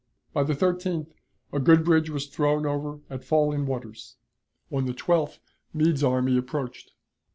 By the 13th a good bridge was thrown over at Falling Waters. On the 12th Meade's army approached.